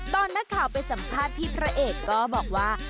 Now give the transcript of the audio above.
ตอนนักข่าวไปสัมภาษณ์พี่พระเอกก็บอกว่า